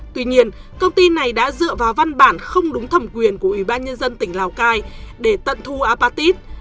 tuy nhiên công ty này đã dựa vào văn bản không đúng thẩm quyền của ủy ban nhân dân tỉnh lào cai để tận thu apatit